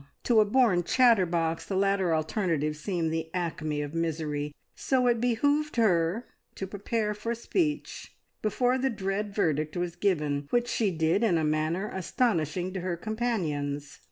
To a born chatterbox the latter alternative seemed the acme of misery, so it behoved her to prepare for speech before the dread verdict was given, which she did in a manner astonishing to her companions.